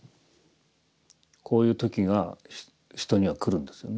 こういう時が人には来るんですよね。